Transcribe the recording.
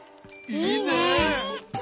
いいね！